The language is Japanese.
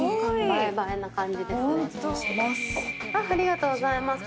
ありがとうございます。